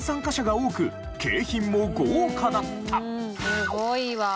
すごいわ。